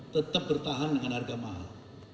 tetap bertahan dengan harga mahal